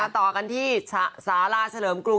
ต่อกันที่สาราเฉลิมกรุง